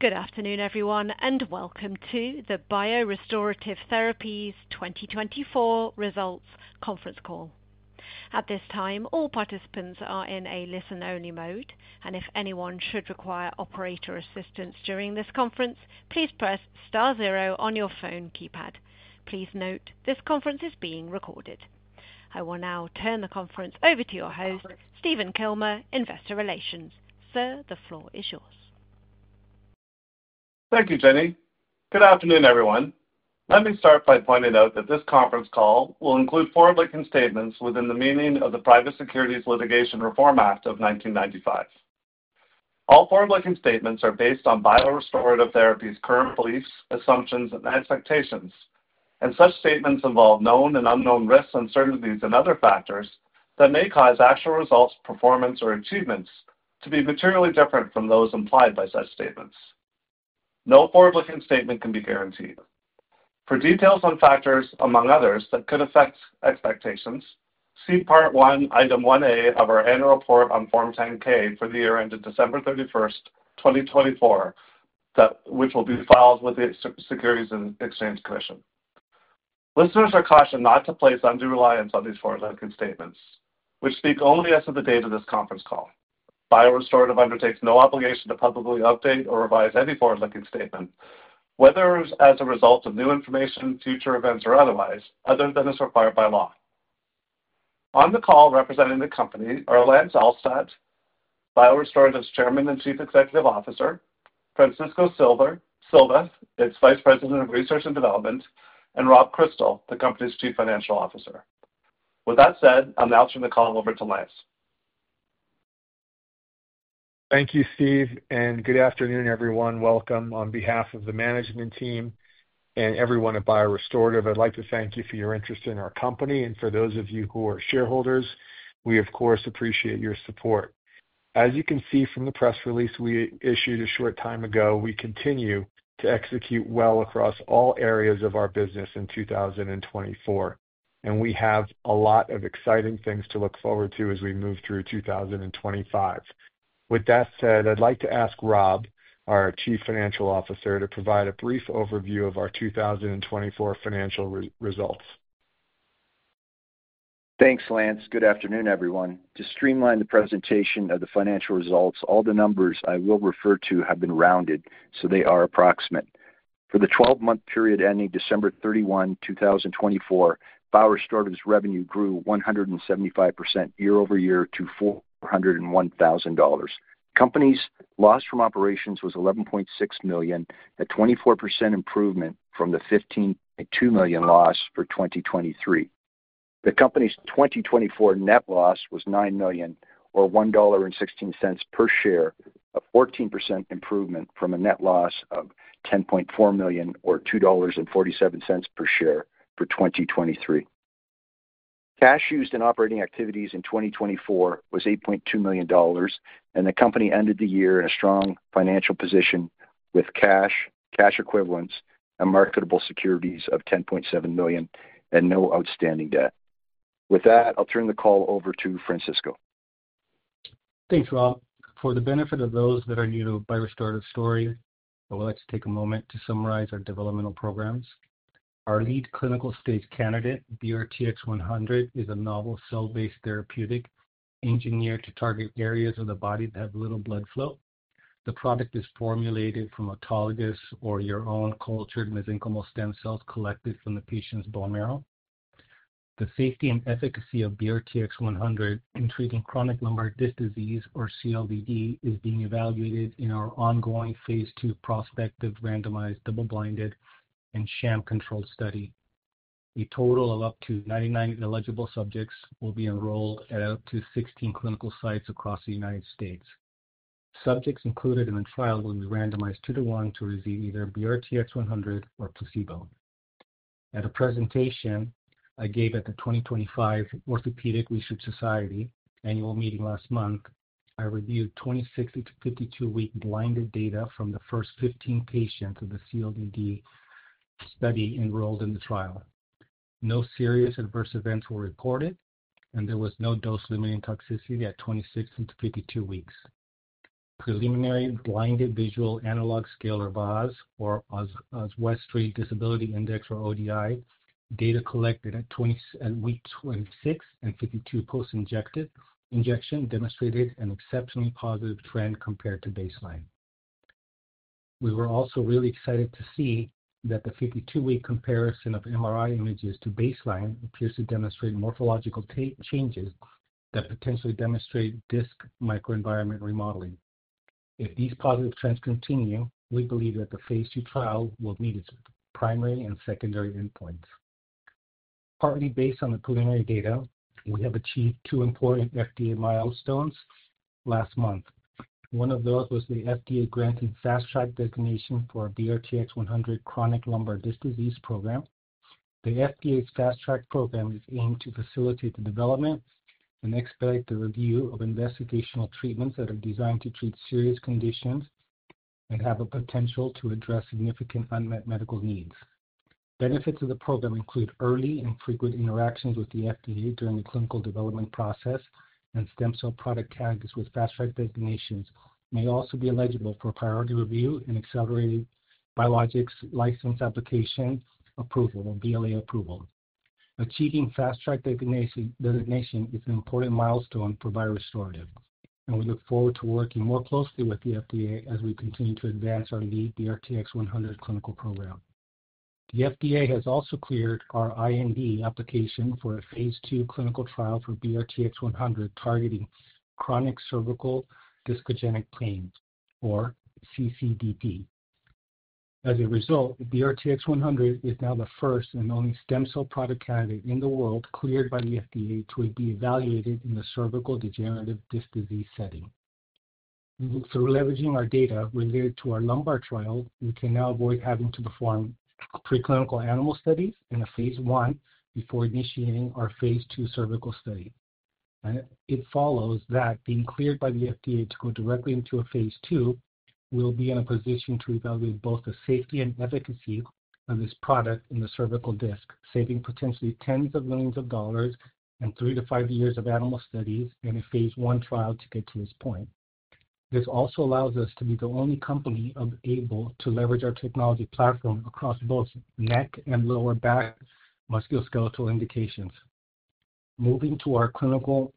Good afternoon, everyone, and welcome to the BioRestorative Therapies 2024 results conference call. At this time, all participants are in a listen-only mode, and if anyone should require operator assistance during this conference, please press star zero on your phone keypad. Please note this conference is being recorded. I will now turn the conference over to your host, Stephen Kilmer, Investor Relations. Sir, the floor is yours. Thank you, Jenny. Good afternoon, everyone. Let me start by pointing out that this conference call will include forward-looking statements within the meaning of the Private Securities Litigation Reform Act of 1995. All forward-looking statements are based on BioRestorative Therapies' current beliefs, assumptions, and expectations, and such statements involve known and unknown risks, uncertainties, and other factors that may cause actual results, performance, or achievements to be materially different from those implied by such statements. No forward-looking statement can be guaranteed. For details on factors, among others, that could affect expectations, see part one, item 1A of our annual report on Form 10-K for the year ended December 31st, 2024, which will be filed with the Securities and Exchange Commission. Listeners are cautioned not to place undue reliance on these forward-looking statements, which speak only as of the date of this conference call. BioRestorative undertakes no obligation to publicly update or revise any forward-looking statement, whether as a result of new information, future events, or otherwise, other than as required by law. On the call representing the company are Lance Alstodt, BioRestorative's Chairman and Chief Executive Officer, Francisco Silva, its Vice President of Research and Development, and Rob Kristal, the company's Chief Financial Officer. With that said, I'm now turning the call over to Lance. Thank you, Steve, and good afternoon, everyone. Welcome on behalf of the management team and everyone at BioRestorative. I'd like to thank you for your interest in our company and for those of you who are shareholders. We, of course, appreciate your support. As you can see from the press release we issued a short time ago, we continue to execute well across all areas of our business in 2024, and we have a lot of exciting things to look forward to as we move through 2025. With that said, I'd like to ask Rob, our Chief Financial Officer, to provide a brief overview of our 2024 financial results. Thanks, Lance. Good afternoon, everyone. To streamline the presentation of the financial results, all the numbers I will refer to have been rounded, so they are approximate. For the 12-month period ending December 31, 2024, BioRestorative's revenue grew 175% year-over-year to $401,000. The company's loss from operations was $11.6 million, a 24% improvement from the $15.2 million loss for 2023. The company's 2024 net loss was $9 million, or $1.16 per share, a 14% improvement from a net loss of $10.4 million, or $2.47 per share, for 2023. Cash used in operating activities in 2024 was $8.2 million, and the company ended the year in a strong financial position with cash, cash equivalents, and marketable securities of $10.7 million, and no outstanding debt. With that, I'll turn the call over to Francisco. Thanks, Rob. For the benefit of those that are new to BioRestorative story, I would like to take a moment to summarize our developmental programs. Our lead clinical stage candidate, BRTX-100, is a novel cell-based therapeutic engineered to target areas of the body that have little blood flow. The product is formulated from autologous or your own cultured mesenchymal stem cells collected from the patient's bone marrow. The safety and efficacy of BRTX-100 in treating chronic lumbar disc disease, or CLDD, is being evaluated in our ongoing phase two prospective randomized double-blinded and sham-controlled study. A total of up to 99 eligible subjects will be enrolled at up to 16 clinical sites across the United States. Subjects included in the trial will be randomized two-to-one to receive either BRTX-100 or placebo. At a presentation I gave at the 2025 Orthopedic Research Society annual meeting last month, I reviewed 26-52 week blinded data from the first 15 patients of the CLDD study enrolled in the trial. No serious adverse events were reported, and there was no dose-limiting toxicity at 26-52 weeks. Preliminary blinded visual analog scale or VAS, or Oswestry Disability Index, or ODI data collected at week 26 and 52 post-injection demonstrated an exceptionally positive trend compared to baseline. We were also really excited to see that the 52-week comparison of MRI images to baseline appears to demonstrate morphological changes that potentially demonstrate disc microenvironment remodeling. If these positive trends continue, we believe that the phase two trial will meet its primary and secondary endpoints. Partly based on the preliminary data, we have achieved two important FDA milestones last month. One of those was the FDA-granted Fast Track designation for BRTX-100 chronic lumbar disc disease program. The FDA's Fast Track program is aimed to facilitate the development and expedite the review of investigational treatments that are designed to treat serious conditions and have a potential to address significant unmet medical needs. Benefits of the program include early and frequent interactions with the FDA during the clinical development process, and stem cell product tags with Fast-Track designations may also be eligible for priority review and accelerated Biologics License Application approval or BLA approval. Achieving Fast Track designation is an important milestone for BioRestorative, and we look forward to working more closely with the FDA as we continue to advance our lead BRTX-100 clinical program. The FDA has also cleared our IND application for a phase two clinical trial for BRTX-100 targeting chronic cervical discogenic pain, or CCDP. As a result, BRTX-100 is now the first and only stem cell product candidate in the world cleared by the FDA to be evaluated in the cervical degenerative disc disease setting. Through leveraging our data related to our lumbar trial, we can now avoid having to perform preclinical animal studies in a phase one before initiating our phase two cervical study. It follows that being cleared by the FDA to go directly into a phase two will be in a position to evaluate both the safety and efficacy of this product in the cervical disc, saving potentially tens of millions of dollars and three to five years of animal studies in a phase one trial to get to this point. This also allows us to be the only company able to leverage our technology platform across both neck and lower back musculoskeletal indications. Moving to our clinical,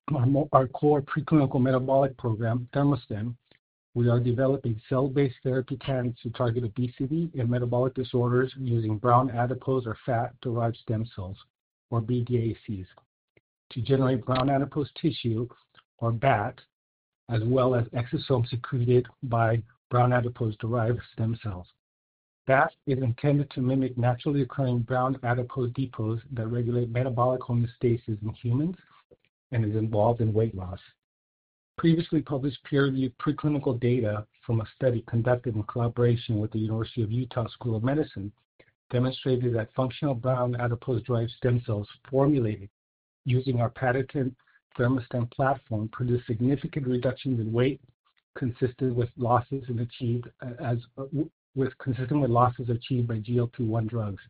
our core preclinical metabolic program, ThermoStem, we are developing cell-based therapy tags to target obesity and metabolic disorders using brown adipose or fat-derived stem cells, or BDACs, to generate brown adipose tissue, or BAT, as well as exosomes secreted by brown adipose-derived stem cells. BAT is intended to mimic naturally occurring brown adipose depots that regulate metabolic homeostasis in humans and is involved in weight loss. Previously published peer-reviewed preclinical data from a study conducted in collaboration with the University of Utah School of Medicine demonstrated that functional brown adipose-derived stem cells formulated using our patented ThermoStem platform produced significant reductions in weight consistent with losses achieved by GLP-1 drugs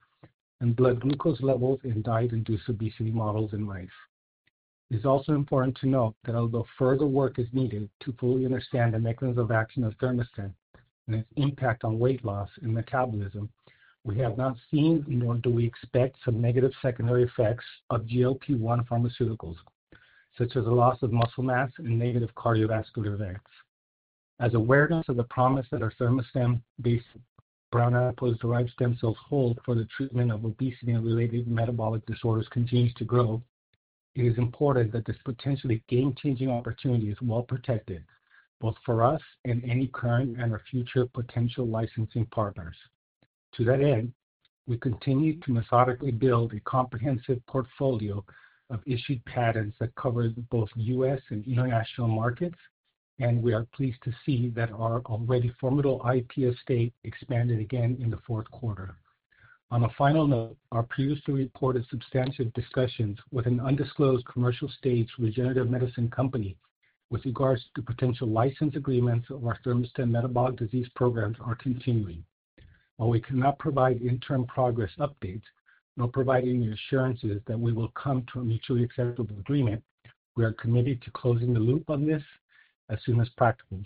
and blood glucose levels in diet-induced obesity models in mice. It's also important to note that although further work is needed to fully understand the mechanism of action of ThermoStem and its impact on weight loss and metabolism, we have not seen, nor do we expect, some negative secondary effects of GLP-1 pharmaceuticals, such as a loss of muscle mass and negative cardiovascular events. As awareness of the promise that our ThermoStem-based brown adipose-derived stem cells hold for the treatment of obesity and related metabolic disorders continues to grow, it is important that this potentially game-changing opportunity is well protected, both for us and any current and our future potential licensing partners. To that end, we continue to methodically build a comprehensive portfolio of issued patents that cover both U.S. and international markets, and we are pleased to see that our already formidable IP estate expanded again in the fourth quarter. On a final note, our previously reported substantive discussions with an undisclosed commercial stage regenerative medicine company with regards to potential license agreements of our ThermoStem metabolic disease programs are continuing. While we cannot provide interim progress updates nor provide any assurances that we will come to a mutually acceptable agreement, we are committed to closing the loop on this as soon as practical.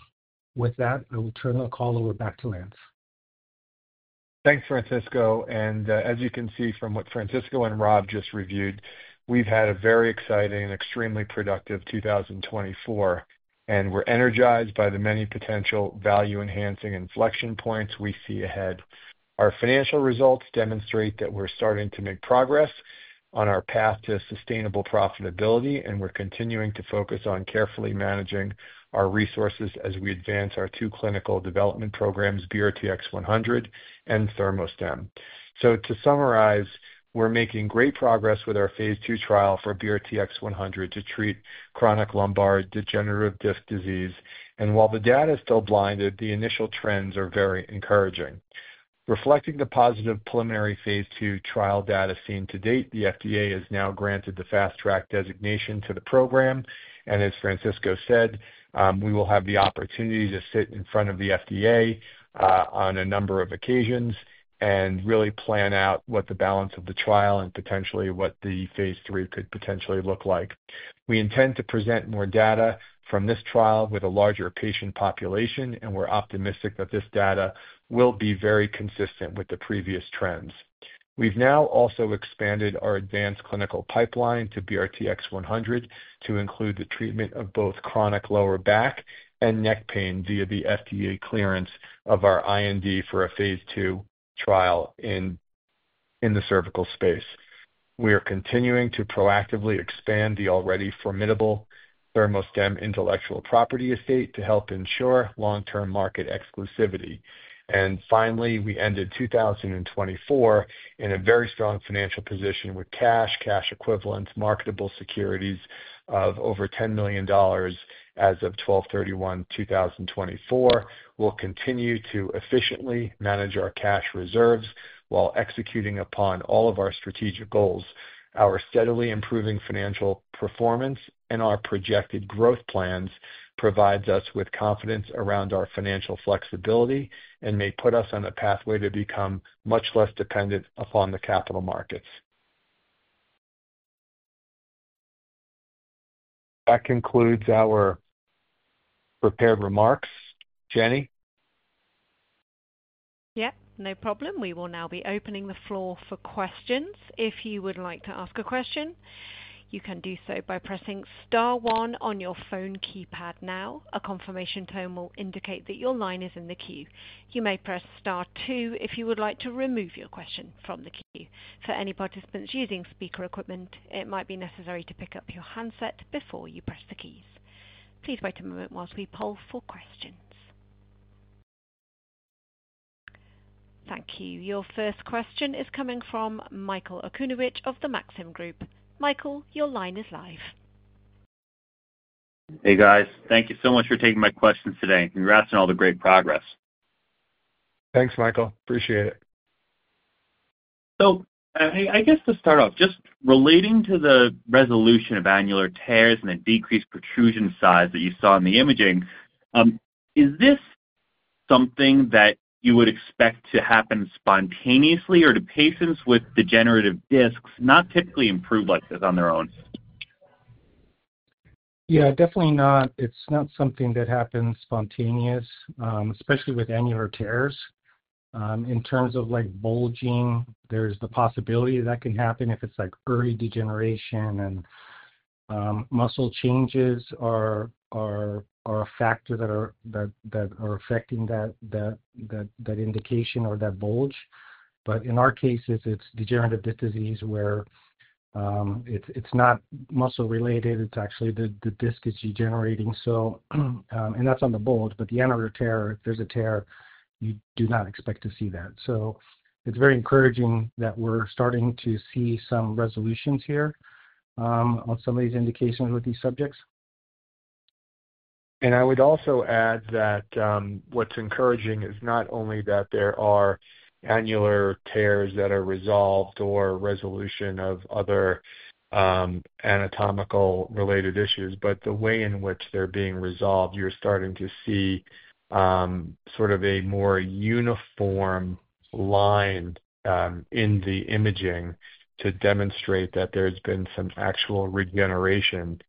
With that, I will turn the call over back to Lance. Thanks, Francisco. As you can see from what Francisco and Rob just reviewed, we've had a very exciting and extremely productive 2024, and we're energized by the many potential value-enhancing inflection points we see ahead. Our financial results demonstrate that we're starting to make progress on our path to sustainable profitability, and we're continuing to focus on carefully managing our resources as we advance our two clinical development programs, BRTX-100 and ThermoStem. To summarize, we're making great progress with our phase two trial for BRTX-100 to treat chronic lumbar degenerative disc disease, and while the data is still blinded, the initial trends are very encouraging. Reflecting the positive preliminary phase two trial data seen to date, the FDA has now granted the Fast Track designation to the program, and as Francisco said, we will have the opportunity to sit in front of the FDA on a number of occasions and really plan out what the balance of the trial and potentially what the phase three could potentially look like. We intend to present more data from this trial with a larger patient population, and we're optimistic that this data will be very consistent with the previous trends. We've now also expanded our advanced clinical pipeline to BRTX-100 to include the treatment of both chronic lower back and neck pain via the FDA clearance of our IND for a phase two trial in the cervical space. We are continuing to proactively expand the already formidable ThermoStem intellectual property estate to help ensure long-term market exclusivity. Finally, we ended 2024 in a very strong financial position with cash, cash equivalents, marketable securities of over $10 million as of 12/31/2024. We'll continue to efficiently manage our cash reserves while executing upon all of our strategic goals. Our steadily improving financial performance and our projected growth plans provide us with confidence around our financial flexibility and may put us on a pathway to become much less dependent upon the capital markets. That concludes our prepared remarks. Jenny? Yep, no problem. We will now be opening the floor for questions. If you would like to ask a question, you can do so by pressing star one on your phone keypad now. A confirmation tone will indicate that your line is in the queue. You may press star two if you would like to remove your question from the queue. For any participants using speaker equipment, it might be necessary to pick up your handset before you press the keys. Please wait a moment whilst we poll for questions. Thank you. Your first question is coming from Michael Okunewitch of the Maxim Group. Michael, your line is live. Hey, guys. Thank you so much for taking my questions today. Congrats on all the great progress. Thanks, Michael. Appreciate it. I guess to start off, just relating to the resolution of annular tears and the decreased protrusion size that you saw in the imaging, is this something that you would expect to happen spontaneously or do patients with degenerative discs not typically improve like this on their own? Yeah, definitely not. It's not something that happens spontaneous, especially with annular tears. In terms of bulging, there's the possibility that that can happen if it's like early degeneration and muscle changes are a factor that are affecting that indication or that bulge. In our cases, it's degenerative disc disease where it's not muscle-related. It's actually the disc is degenerating. That's on the bulge, but the annular tear, if there's a tear, you do not expect to see that. It's very encouraging that we're starting to see some resolutions here on some of these indications with these subjects. I would also add that what's encouraging is not only that there are annular tears that are resolved or resolution of other anatomical-related issues, but the way in which they're being resolved, you're starting to see sort of a more uniform line in the imaging to demonstrate that there's been some actual regeneration.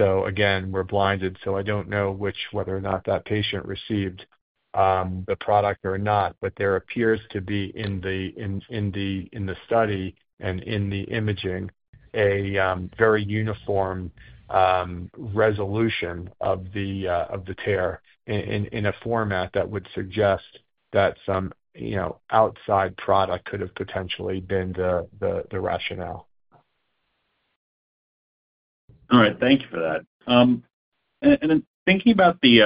Again, we're blinded, so I don't know whether or not that patient received the product or not, but there appears to be in the study and in the imaging a very uniform resolution of the tear in a format that would suggest that some outside product could have potentially been the rationale. All right. Thank you for that. Thinking about the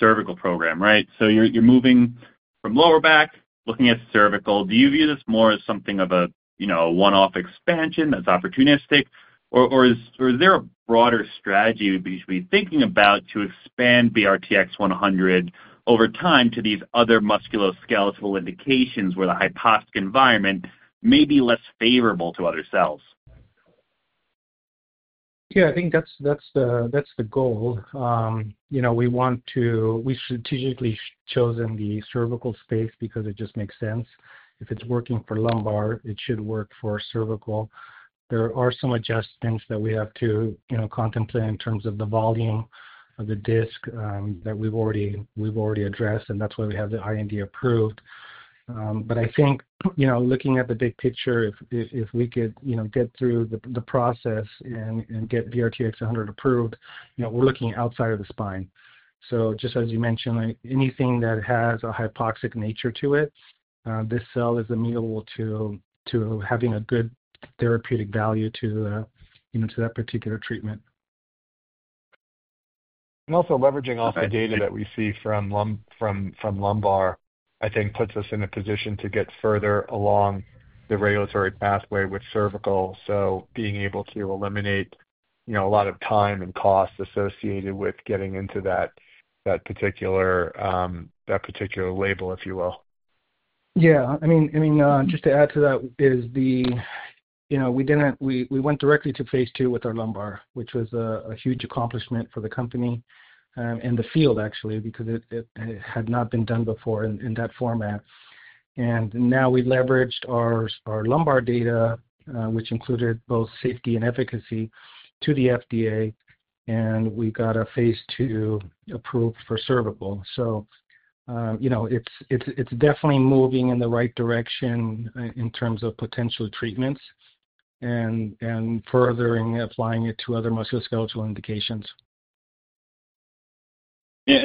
cervical program, right? You're moving from lower back, looking at cervical. Do you view this more as something of a one-off expansion that's opportunistic, or is there a broader strategy we should be thinking about to expand BRTX-100 over time to these other musculoskeletal indications where the hypoxic environment may be less favorable to other cells? Yeah, I think that's the goal. We want to, we strategically chosen the cervical space because it just makes sense. If it's working for lumbar, it should work for cervical. There are some adjustments that we have to contemplate in terms of the volume of the disc that we've already addressed, and that's why we have the IND approved. I think looking at the big picture, if we could get through the process and get BRTX-100 approved, we're looking outside of the spine. Just as you mentioned, anything that has a hypoxic nature to it, this cell is amenable to having a good therapeutic value to that particular treatment. Also leveraging all the data that we see from lumbar, I think puts us in a position to get further along the regulatory pathway with cervical, so being able to eliminate a lot of time and cost associated with getting into that particular label, if you will. Yeah. I mean, just to add to that is we went directly to phase two with our lumbar, which was a huge accomplishment for the company and the field, actually, because it had not been done before in that format. Now we leveraged our lumbar data, which included both safety and efficacy, to the FDA, and we got a phase two approved for cervical. It is definitely moving in the right direction in terms of potential treatments and furthering applying it to other musculoskeletal indications. Yeah.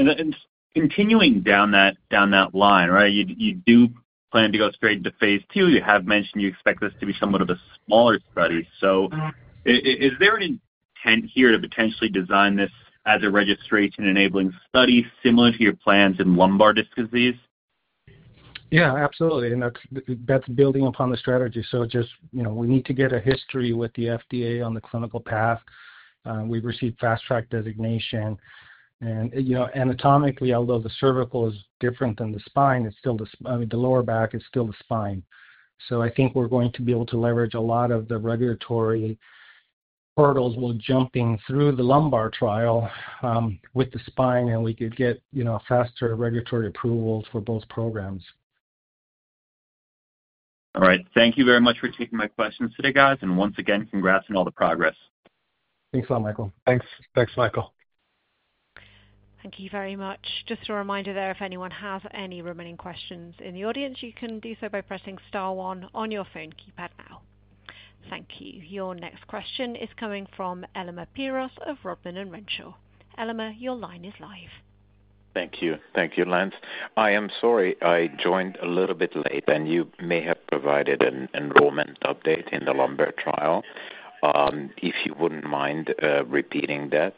Continuing down that line, right, you do plan to go straight to phase two. You have mentioned you expect this to be somewhat of a smaller study. Is there an intent here to potentially design this as a registration-enabling study similar to your plans in lumbar disc disease? Yeah, absolutely. That's building upon the strategy. We need to get a history with the FDA on the clinical path. We've received Fast Track designation. Anatomically, although the cervical is different than the spine, I mean, the lower back is still the spine. I think we're going to be able to leverage a lot of the regulatory hurdles while jumping through the lumbar trial with the spine, and we could get faster regulatory approvals for both programs. All right. Thank you very much for taking my questions today, guys. Once again, congrats on all the progress. Thanks a lot, Michael. Thanks. Thanks, Michael. Thank you very much. Just a reminder there, if anyone has any remaining questions in the audience, you can do so by pressing star one on your phone keypad now. Thank you. Your next question is coming from Elemer Piros of Rodman & Renshaw. Elemer, your line is live. Thank you. Thank you, Lance. I am sorry I joined a little bit late, and you may have provided an enrollment update in the lumbar trial. If you would not mind repeating that.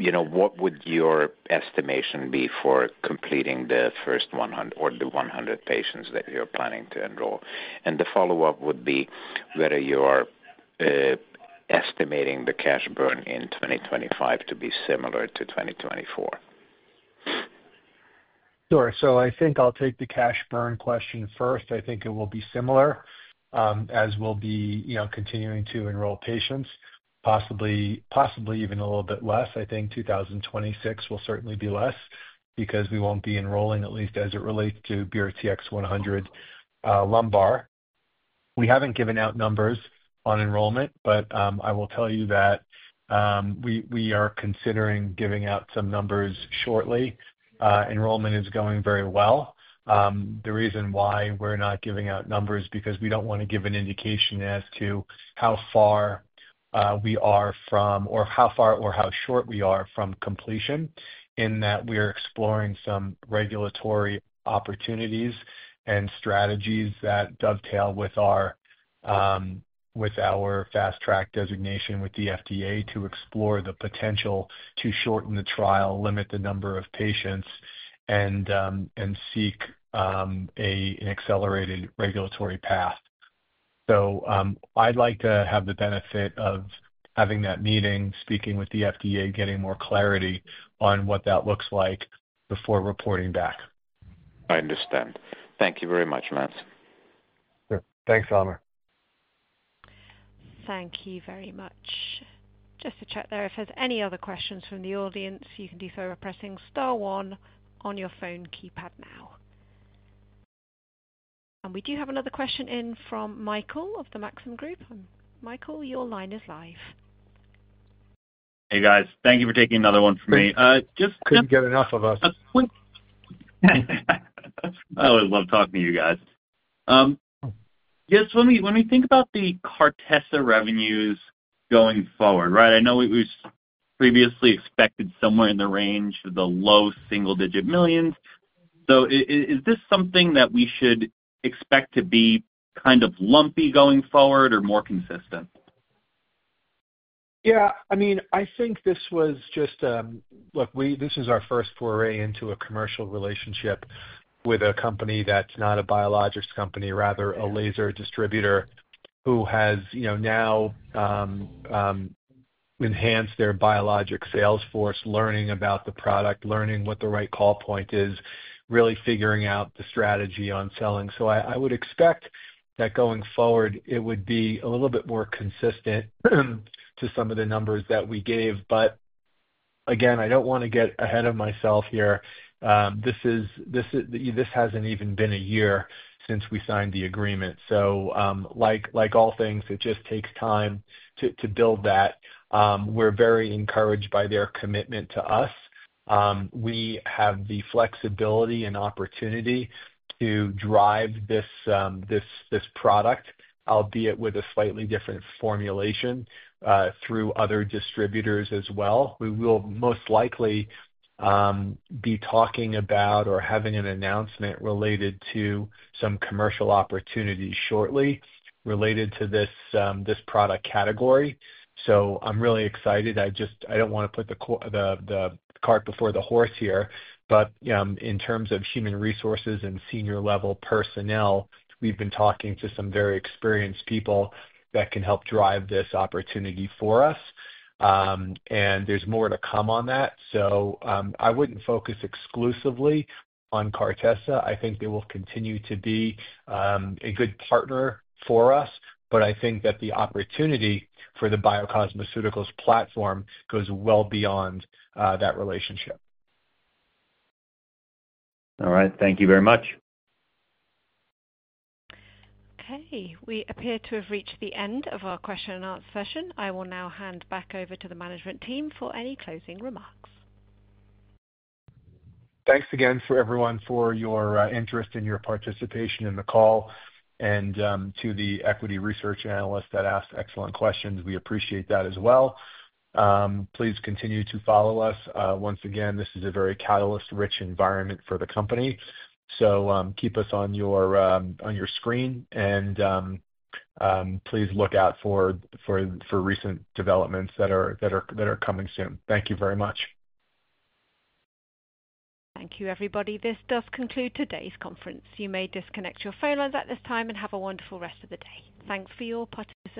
What would your estimation be for completing the first 100 or the 100 patients that you are planning to enroll? The follow-up would be whether you are estimating the cash burn in 2025 to be similar to 2024. Sure. I think I'll take the cash burn question first. I think it will be similar, as we'll be continuing to enroll patients, possibly even a little bit less. I think 2026 will certainly be less because we won't be enrolling, at least as it relates to BRTX-100 lumbar. We haven't given out numbers on enrollment, but I will tell you that we are considering giving out some numbers shortly. Enrollment is going very well. The reason why we're not giving out numbers is because we don't want to give an indication as to how far we are from or how far or how short we are from completion in that we are exploring some regulatory opportunities and strategies that dovetail with our Fast Track designation with the FDA to explore the potential to shorten the trial, limit the number of patients, and seek an accelerated regulatory path. I'd like to have the benefit of having that meeting, speaking with the FDA, getting more clarity on what that looks like before reporting back. I understand. Thank you very much, Lance. Sure. Thanks, Elemer. Thank you very much. Just to check there, if there's any other questions from the audience, you can do so by pressing star one on your phone keypad now. We do have another question in from Michael of the Maxim Group. Michael, your line is live. Hey, guys. Thank you for taking another one from me. Just. Couldn't get enough of us. I always love talking to you guys. Just when we think about the Cartessa revenues going forward, right, I know it was previously expected somewhere in the range of the low single-digit millions. Is this something that we should expect to be kind of lumpy going forward or more consistent? Yeah. I mean, I think this was just a look, this is our first foray into a commercial relationship with a company that's not a biologics company, rather a laser distributor who has now enhanced their biologic sales force, learning about the product, learning what the right call point is, really figuring out the strategy on selling. I would expect that going forward, it would be a little bit more consistent to some of the numbers that we gave. Again, I don't want to get ahead of myself here. This hasn't even been a year since we signed the agreement. Like all things, it just takes time to build that. We're very encouraged by their commitment to us. We have the flexibility and opportunity to drive this product, albeit with a slightly different formulation through other distributors as well. We will most likely be talking about or having an announcement related to some commercial opportunities shortly related to this product category. I am really excited. I do not want to put the cart before the horse here. In terms of human resources and senior-level personnel, we have been talking to some very experienced people that can help drive this opportunity for us. There is more to come on that. I would not focus exclusively on Cartessa. I think they will continue to be a good partner for us, but I think that the opportunity for the BioCosmeceuticals platform goes well beyond that relationship. All right. Thank you very much. Okay. We appear to have reached the end of our question-and-answer session. I will now hand back over to the management team for any closing remarks. Thanks again for everyone for your interest and your participation in the call and to the equity research analysts that asked excellent questions. We appreciate that as well. Please continue to follow us. Once again, this is a very catalyst-rich environment for the company. Keep us on your screen, and please look out for recent developments that are coming soon. Thank you very much. Thank you, everybody. This does conclude today's conference. You may disconnect your phones at this time and have a wonderful rest of the day. Thanks for your participation.